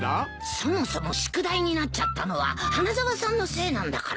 そもそも宿題になっちゃったのは花沢さんのせいなんだからね。